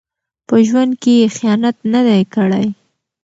په ژوند کې یې خیانت نه دی کړی.